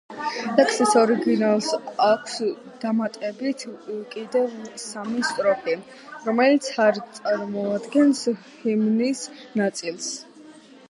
ლექსის ორიგინალს აქვს დამატებით კიდევ სამი სტროფი, რომელიც არ წარმოადგენს ჰიმნის ნაწილს.